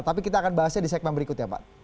tapi kita akan bahasnya di segmen berikut ya pak